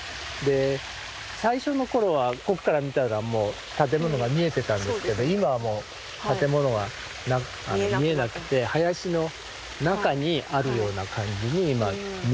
最初の頃は奥から見たら建物が見えてたんですけど今はもう建物は見えなくて林の中にあるような感じに見えてます。